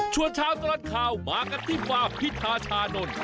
เช้าตลอดข่าวมากันที่ฟาร์มพิธาชานนท์